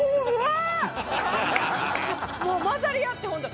もう混ざり合ってホント。